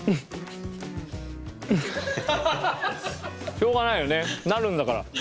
しょうがないよねなるんだから。